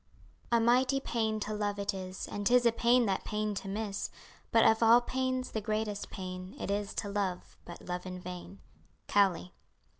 "A mighty pain to love it is And 'tis a pain that pain to miss; But of all pains, the greatest pain It is to love, but love in vain." COWLEY.